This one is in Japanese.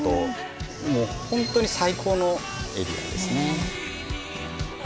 本当に最高のエリアですね。